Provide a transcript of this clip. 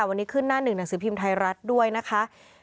วันนี้ขึ้นหน้าหนึ่งหนังสือพิมพ์ไทยรัฐด้วยนะคะ